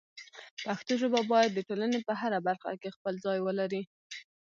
پښتو ژبه باید د ټولنې په هره برخه کې خپل ځای ولري.